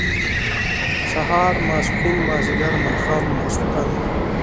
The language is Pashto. سهار ، ماسپښين، مازيګر، ماښام ، ماسخوتن